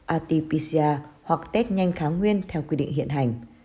atpg hoặc test nhanh kháng nguyên theo quy định hiện hành